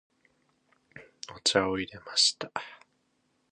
お茶を入れました。